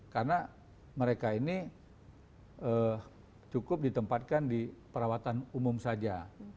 karena mereka ini cukup ditempatkan di perawatan umum saja